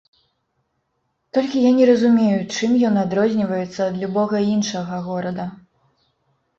Толькі я не разумею, чым ён адрозніваецца ад любога іншага горада?